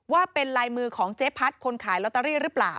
ว่าเป็นลายมือของเจ๊พัดคนขายลอตเตอรี่หรือเปล่า